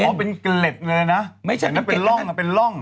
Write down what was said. เพราะเป็นเกล็ดเลยนะใช่นะเป็นร่อง